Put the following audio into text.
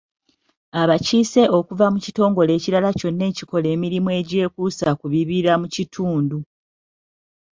Abakiise okuva mu kitongole ekirala kyonna ekikola emirimu egyekuusa ku bibira mu kitundu.